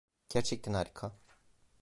Gerçekten harika.